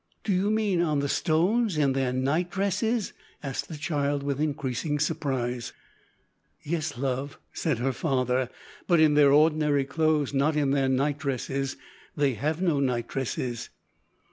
"D'you mean on the stones, in their night dresses?" asked the child with increasing surprise. "Yes, love," said her father, "but in their ordinary clothes, not in their night dresses they have no night dresses."